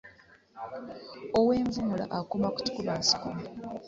Ow'envumula akoma ku kikuba nsiko .